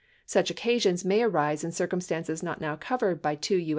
Such occasions may arise in circumstances not now covered by 2 U.